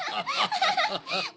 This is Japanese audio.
アハハハ！